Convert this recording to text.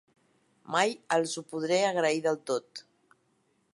Mai els ho podré agrair del tot.